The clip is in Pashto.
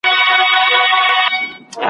چي پردۍ فتوا وي هېره محتسب وي تښتېدلی !.